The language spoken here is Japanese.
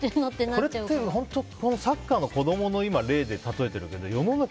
これって本当サッカーの子供の例で例えてるけど世の中